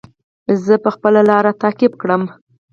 زه به خپله لاره تعقیب کړم.